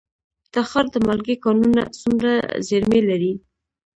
د تخار د مالګې کانونه څومره زیرمې لري؟